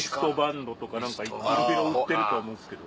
いろいろ売ってると思うんですけど。